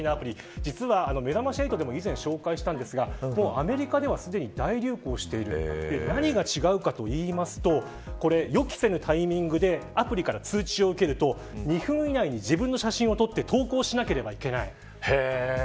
実はめざまし８でも紹介しましたがアメリカではすでに大流行している何が違うかというと予期せぬタイミングでアプリから通知を受けると２分以内に自分の写真を撮って投稿しなければいけない。